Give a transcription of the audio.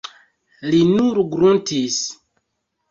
Li nur gruntis.